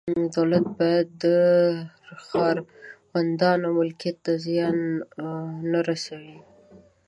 دولت باید د ښاروندانو ملکیت ته زیان نه ورسوي.